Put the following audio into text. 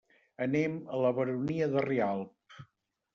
Anem a la Baronia de Rialb.